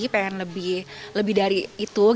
pengen lebih dari itu